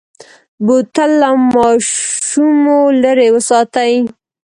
بوتل له ماشومو لرې وساتئ.